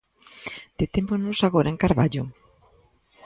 Detémonos agora en Carballo.